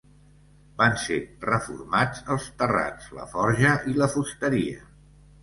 Van ser reformats els terrats, la forja i la fusteria.